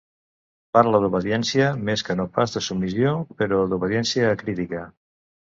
Parla d'obediència més que no pas de submissió, però d'obediència acrítica.